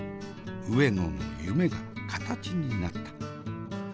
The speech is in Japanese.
上野の夢が形になった。